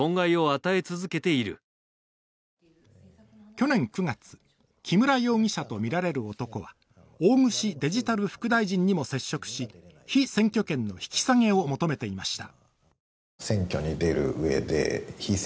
去年９月、木村容疑者とみられる男は大串デジタル副大臣にも接触し被選挙権の引き下げを求めていました。